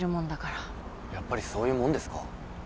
やっぱりそういうもんですか？